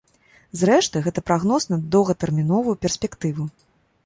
Зрэшты, гэта прагноз на доўгатэрміновую перспектыву.